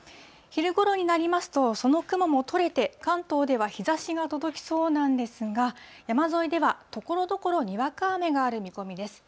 昼ごろになりますと、その雲も取れて、関東では日ざしが届きそうなんですが、山沿いではところどころにわか雨がある見込みです。